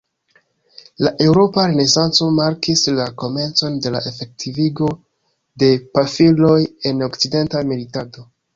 La eŭropa Renesanco markis la komencon de la efektivigo de pafiloj en okcidenta militado.